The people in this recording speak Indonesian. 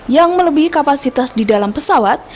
yang melebihi kapasitas di dalam pesawat